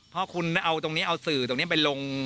เพราะคุณเอาตรงนี้เอาสื่อตรงนี้ไปลง